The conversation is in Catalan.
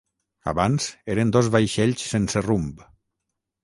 Abans eren dos vaixells sense rumb.